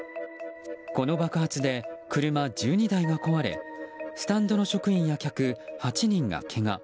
この爆発で車１２台が壊れスタンドの職員や客、８人がけが。